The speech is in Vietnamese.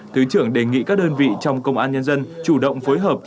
thứ trưởng đề nghị các đơn vị trong công an nhân dân chủ động phối hợp